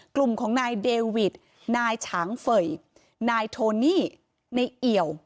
กลุ่มของนายเดวิดนายฉางเฟย์นายโทนี่นายเอี่ยว